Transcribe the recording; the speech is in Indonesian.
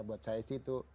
buat saya sih itu